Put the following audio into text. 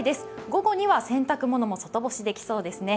午後には洗濯物も外干しできそうですね。